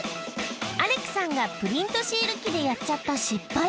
アレクさんがプリントシール機でやっちゃった失敗。